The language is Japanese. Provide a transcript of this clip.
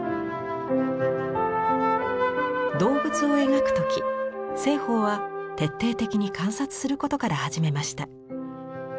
動物を描く時栖鳳は徹底的に観察することから始めました。